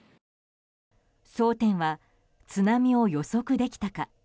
争点は、津波を予測できたか？